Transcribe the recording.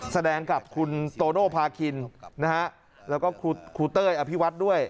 ๒๕๖๓แสดงกับคุณโตโน่พาคินแล้วก็คุณเต้ออภิวัตรด้วย